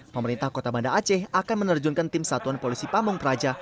pemerintah kota banda aceh akan menerjunkan tim satuan polisi pamung praja